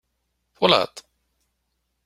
Twalaḍ-t?